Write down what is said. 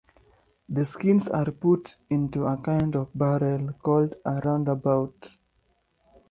The skins are put into a kind of barrel called a roundabout.